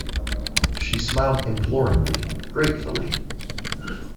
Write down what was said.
She smiled imploringly, gratefully.